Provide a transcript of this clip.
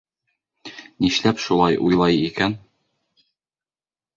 Нишләп шулай уйлай икән?